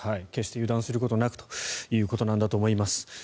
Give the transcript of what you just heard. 決して油断することなくということだと思います。